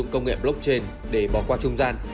công nghệ blockchain để bỏ qua trung gian